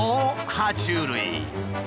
は虫類！